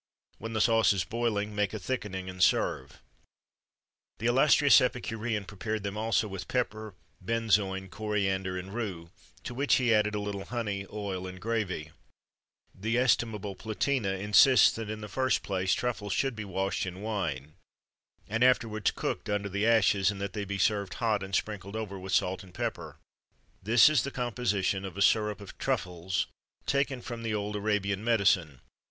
When the sauce is boiling, make a thickening, and serve.[XXIII 104] The illustrious epicurean prepared them also with pepper, benzoin, coriander and rue, to which he added a little honey, oil, and gravy.[XXIII 105] The estimable Platina insists that, in the first place, truffles should be washed in wine, and afterwards cooked under the ashes; and that they be served hot, and sprinkled over with salt and pepper.[XXIII 106] This is the composition of a syrup of truffles, taken from the old Arabian medicine.